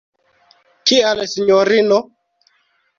Kial, sinjorino?